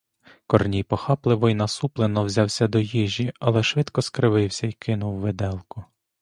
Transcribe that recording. Корній похапливо й насуплено взявся до їжі, але швидко скривився й кинув виделку.